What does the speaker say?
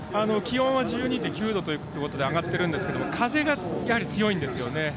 気温は１２．９度ということで上がっているんですけど風がやはり強いんですよね。